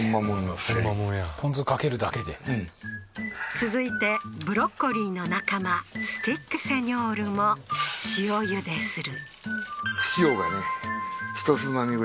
続いてブロッコリーの仲間スティックセニョールも塩茹でする